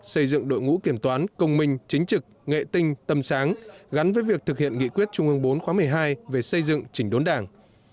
xây dựng đội ngũ kiểm toán công minh chính trực nghệ tinh tâm sáng gắn với việc thực hiện nghị quyết trung ương bốn khóa một mươi hai về xây dựng chỉnh đốn đảng